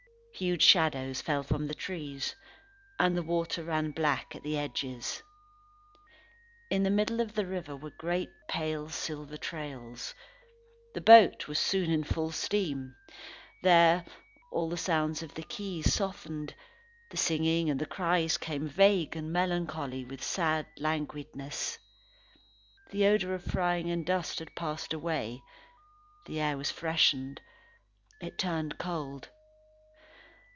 Huge shadows fell from the trees, and the water ran black at the edges. In the middle of the river were great, pale, silver trails. The boat was soon in full steam. There, all the sounds of the quays softened; the singing, and the cries came vague and melancholy, with sad languidness. The odour of frying and dust had passed away. The air freshened. It turned cold.